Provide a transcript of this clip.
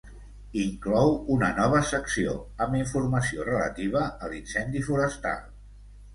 Inclou una nova secció amb informació relativa a l'incendi forestal.